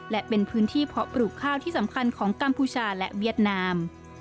และเป็นพื้นที่เพาะปลูกข้าวที่สำคัญของกัมพูชาและเวียดนาม